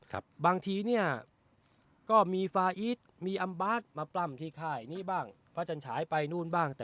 บางทีเนี่ยก็มีฟาอีทมีอัมบาสมาปล้ำที่ค่ายนี้บ้างพระจันฉายไปนู่นบ้างแต่